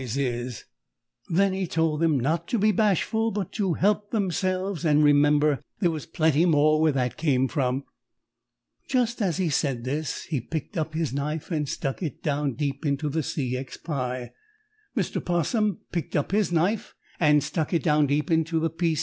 TURTLE WAS WATCHING HIM PRETTY ANXIOUSLY.] Then he told them not to be bashful, but to help themselves and remember there was plenty more where that came from. Just as he said this he picked up his knife and stuck it down deep into the C. X. pie. Mr. 'Possum picked up his knife and stuck it down deep into the P. C.